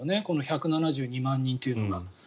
この１７２万人というのが。